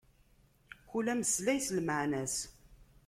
Kul ameslay s lmaɛna-s.